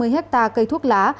ba mươi hectare cây thuốc lá